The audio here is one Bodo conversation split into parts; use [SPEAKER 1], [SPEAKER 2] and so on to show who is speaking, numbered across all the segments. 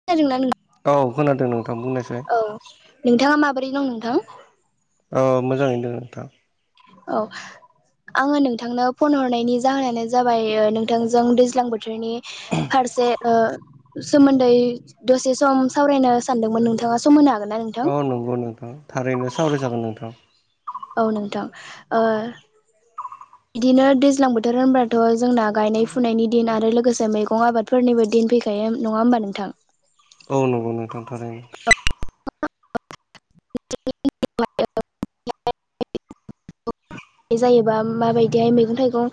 [SPEAKER 1] [unintelligible]
[SPEAKER 2] औ खोनादों नोंथां बुंनायसाय।
[SPEAKER 1] औ नोंथाङा माबोरै दं नोंथां?
[SPEAKER 2] औ मोजाङैनो दङ नोंथां।
[SPEAKER 1] औ आङो नोंथांनो फन हरनायनि जाहोनानो जाबाय नोंथांजों दैज्लां बोथो थोरनि फारसे ओ सोमोन्दै दसे सम सावरायनो सानदोंमोन नोंथाङा सम होनो हागोन ना नों
[SPEAKER 2] औ नंगौ नोंथां थारैनो सावराय जागोन नोंथां।
[SPEAKER 1] औ नोंथां ओ
[SPEAKER 2] [inaudible]
[SPEAKER 1] बिदिनो दैज्लां बोथोर होनबथ' जोंना गायनाय फुनायनि दिन आरो लोगोसे मैगं आबाद फोरनिबो दिन फैखायो नङा होमबा नोंथां
[SPEAKER 2] औ नंगौ नोंथां थारैनो।
[SPEAKER 1] [unintelligible] बे जायोबा माबायदिहाय मैगं थाइगं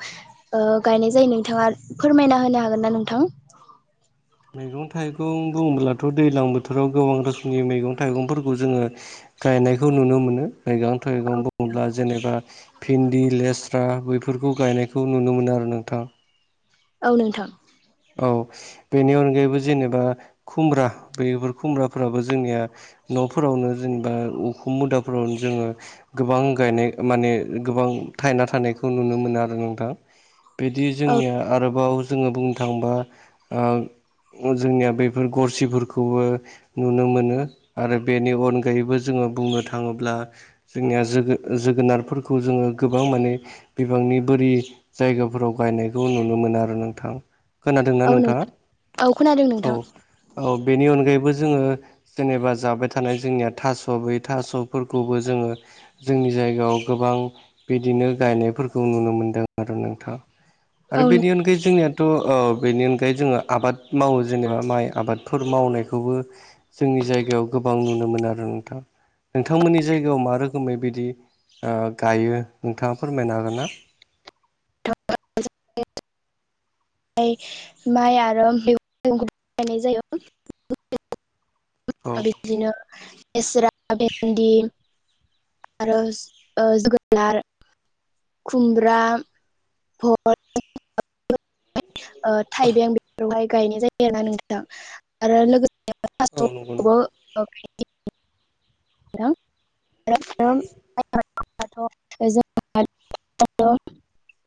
[SPEAKER 1] ओ गायनाय जायो नोंथाङा फोरमायना होनो हागोन ना नोंथां?
[SPEAKER 2] मैगं थाइगं बुङोब्लाथ' दैज्लां बोथोराव गोबां रोखोमनि मैगं थाइगंफोरखौ जोङो गायनायखौ नुनो मोनो। मैगं थैगं बुङोब्ला जेनेबा फिनदी, लेस्रा बैफोरखौ गायनायखौ नुनो मोनो आरो नोंथां
[SPEAKER 1] औ नोंथां
[SPEAKER 2] औ बेनि अनगायैबो जेनेबा खुमब्रा बेफोर खुमब्राफोराबो जोंनिया न'फोरावनो जेनेबा उख मुदाफोरावनो जोङो गोबां गायनाय माने गोबां थायना थानायखौ नुनो मोनो आरो नोंथां। बिदि
[SPEAKER 1] औ
[SPEAKER 2] जोंनिया आरोबाव जोङो बुंनो थाङोबा ओ जोंनिया बेफोर गरसिफोरखौबो नुनो मोनो आरो बेनि अनगायैबो जोङो बुंनो थाङोब्ला जोंनिया जोगो जोगोनारफोरखौ जोङो गोबां मानो बिबांनि बोरि जायगाफोराव गायनायखौ नुनो मोनो आरो नोंथां। खोनादोंना
[SPEAKER 1] औ
[SPEAKER 2] नोंथाङा?
[SPEAKER 1] नोंथां औ खोनादों
[SPEAKER 2] औ
[SPEAKER 1] नोंथां
[SPEAKER 2] औ बेनि अनगायैबो जोङो जेनेबा जाबाय थानाय जोंनिया थास' बै थास' फोरखौबो जोङो जोंनि जायगायाव गोबां बिदिनो गायनायफोरखौ नुनो मोनदों आरो नोंथां
[SPEAKER 1] औ
[SPEAKER 2] आरो
[SPEAKER 1] नों
[SPEAKER 2] बेनि अनगायै जोंनियाथ औ बेनि अनगायै जोङो आबाद मावो जेनेबा माइ आबादफोर मावनायखौबो जोंनि जायगायाव गोबां नुनो मोनो‌ आरो नोंथां नोंथांमोननि जायगायाव मा रोखोमै बिदि ओ गायो नोंथाङा फोरमायनो हागोन ना? [inaudible]
[SPEAKER 1] [unintelligible] माइ आरो बेफोर मेगंखौबो गायनाय जायो
[SPEAKER 2] औ
[SPEAKER 1] [unintelligible] बिदिनो लेस्रा भेन्दि आरो ओ जोगोनार खुमब्रा [unintelligible] ओ थाइबें बेफोरावहाय गायनाय जायो आरोना नोंथां आरो
[SPEAKER 2] औ नंगौ
[SPEAKER 1] लोगो
[SPEAKER 2] नोंथां
[SPEAKER 1] [unintelligible] नोंथां [unintelligible] [unintelligible]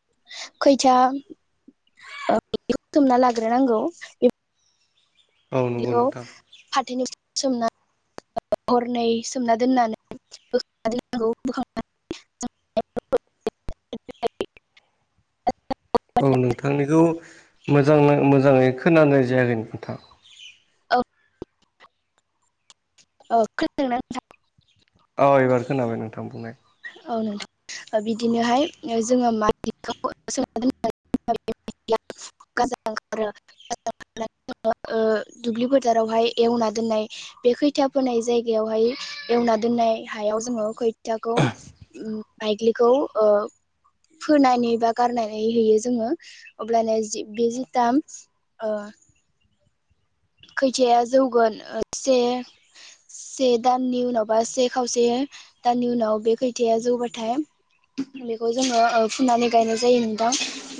[SPEAKER 1] खैथा ओ [unintelligible] बुथुमना लाग्रोनांगौ बेफोर
[SPEAKER 2] औ नंगौ
[SPEAKER 1] बिदिखौ
[SPEAKER 2] नोंथां
[SPEAKER 1] फाथोनि [unintelligible] सोमना [unintelligible] हरनै सोमना दोननानै बोखारनांगौ बोखां बोखांनानै
[SPEAKER 2] औ नोंथांनिखौ मोजां नां मोजाङै खोनानाय जायाखै नोंथा
[SPEAKER 1] औ औ खोनादों ना नोंथां?
[SPEAKER 2] अ एबार खोनाबाय नोंथां बुंनाय
[SPEAKER 1] औ नोंथां। ओ बिदिनोहाय जोङो माइदलि [unintelligible] [unintelligible] गाजा ओंखारो गाजा [unintelligible] [unintelligible] ओ दुब्लि फोथारावहाय एवना दोननाय बे खैथा फोनाय जायगायावहाय एवना दोननाय हायाव जोङो खैथाखौ उम बायग्लिखौ ओ। फोनानै बा गारनानै हैयो जोङो अब्लानो जि बे जिताम। ओ खोथिया जौगोन एसे, से दाननि उनाव बा से खावसे दाननि उनाव बे खोथियाया जौबाथाय। फुलिखौ जोङो ओ फुनानै गायनाय जायो नोंथां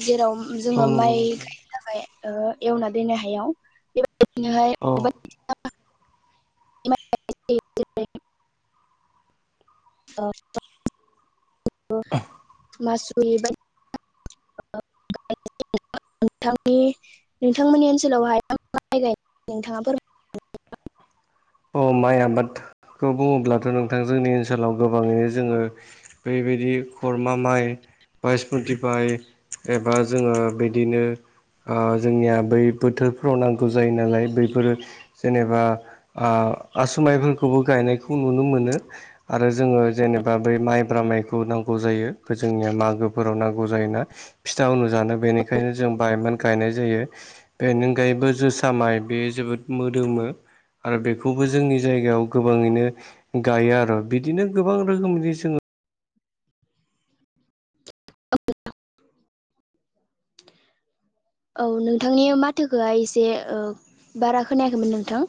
[SPEAKER 1] जेराव
[SPEAKER 2] औ
[SPEAKER 1] जोङो
[SPEAKER 2] नंगौ
[SPEAKER 1] माइ
[SPEAKER 2] नोंथां
[SPEAKER 1] गायनो थाखाय ओ एवना दोननाय हायाव बेबायदिनोहाय।
[SPEAKER 2] औ
[SPEAKER 1] माय गायनाय जायो जेरै ओ ओ मासुरि बाय [unintelligible] नोंथांनि नोंथांमोननि ओनसोलावहाय मा माइ गायो नोंथाङा फोरमाय
[SPEAKER 2] अ माइ आबादखौ बुङोब्लाथ नोंथां जोंनि ओनसोलाव गोबाङैनो जोङो। बेबायदि खरमा माइ, बायसमुथि माय एबा जोङो बिदिनो। आ जोंनिया बै बोथोरफ्राव नांगौ जायो नालाय बैफोरो जेनेबा, आसुमाइफोरखौबो गायनायखौ नुनो मोनो। आरो जोङो जेनेबा बै माइब्रा माइखौ। नांगौ जायो बे जोंनिया मागोफोराव नांगौ जायोना फिथा अनु जानो बेनिखायनो जों बायमोन गायनाय जायो बेनि अनगायैबो जोसा माइ बेयो जोबोद मोदोमो। आरो बेखौबो जोंनि जायगायाव गोबाङैनो गायो आरो बिदिनो गोबां रोखोमनि जोङो। [inaudible]
[SPEAKER 1] औ नोंथांनि माथोखो हाय एसे ओ बारा खोनायाखैमोन नोंथां।